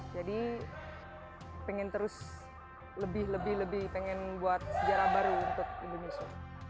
jadi pengen terus lebih lebih lebih pengen buat sejarah baru untuk indonesia